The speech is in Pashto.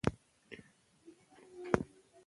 هېڅکله وخت مه ضایع کوئ.